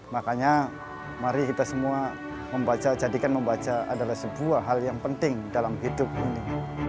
makanya mari kita semua membaca jadikan membaca adalah sebuah hal yang penting dalam hidup ini